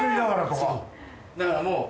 そうだからもう。